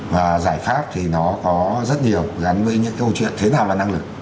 và giải pháp thì nó có rất nhiều gắn với những câu chuyện thế nào là năng lực